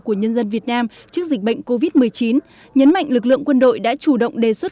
của nhân dân việt nam trước dịch bệnh covid một mươi chín nhấn mạnh lực lượng quân đội đã chủ động đề xuất